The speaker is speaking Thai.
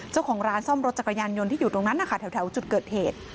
เจ้าของร้านซ่อมรถจักรยานยนต์ที่อยู่ตรงนั้นนะคะแถวจุดเกิดเหตุ